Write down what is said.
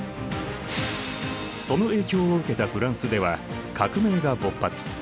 その影響を受けたフランスでは革命が勃発。